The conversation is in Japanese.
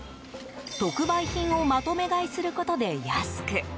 特売品をまとめ買いすることで安く。